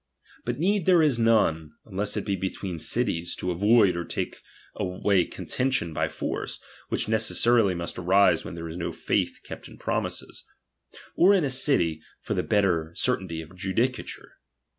But need there is none, unless it be between cities, to avoid or take away contention oy force, which necessarily must arise where there IS no faith kept in promises : or in a city, for the lietter certainty of judicature.